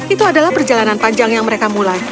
itu adalah perjalanan panjang yang mereka mulai